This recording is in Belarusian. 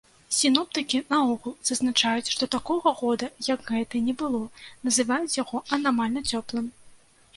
Сіноптыкі наогул зазначаюць, што такога года, як гэты, не было, называюць яго анамальна цёплым.